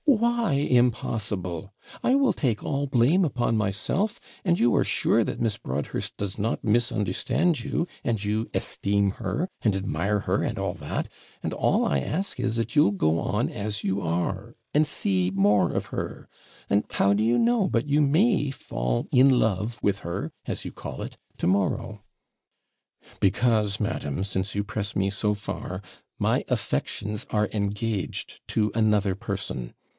'Why impossible? I will take all blame upon myself; and you are sure that Miss Broadhurst does not misunderstand you, and you esteem her, and admire her, and all that; and all I ask is, that you'll go on as you are, and see more of her; and how do you know but you may fall in love with her, as you call it, to morrow?' 'Because, madam, since you press me so far, my affections are engaged to another person.